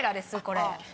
これ。